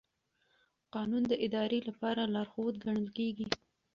قانون د ادارې لپاره لارښود ګڼل کېږي.